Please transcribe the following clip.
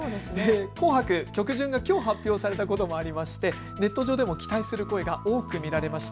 紅白曲順がきょう発表されたこともありまして、ネット上でも期待する声が多く見られました。